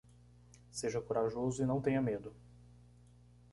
Seja corajoso e não tenha medo.